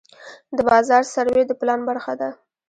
د بازار سروې د پلان برخه ده.